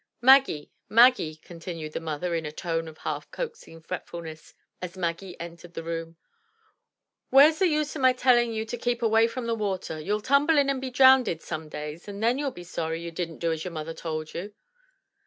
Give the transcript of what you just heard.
Maggie, Maggie/' continued the mother in a tone of half coaxing fretfulness, as Maggie entered the room, where*s the use o' my telling you to keep away from the water? You'll tumble in and be drownded some day an* then you'll be sorry you didn't do as mother told you."